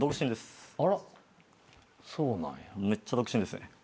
そうなんや。